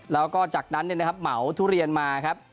แล้วก็จากนั้นเนี่ยนะครับเหมาทุเรียนมาครับ